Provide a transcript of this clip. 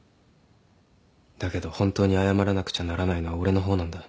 だけど本当に謝らなくちゃならないのは俺の方なんだ。